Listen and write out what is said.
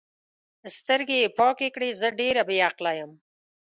سترګې یې پاکې کړې: زه ډېره بې عقله یم.